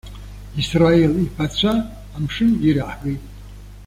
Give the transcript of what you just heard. Исраил иԥацәа амшын ираҳгеит.